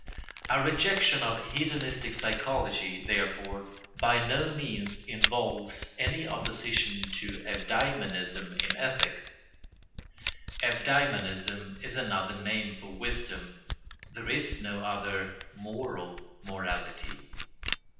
A rejection of hedonistic psychology, therefore, by no means involves any opposition to eudæmonism in ethics. Eudæmonism is another name for wisdom: there is no other moral morality.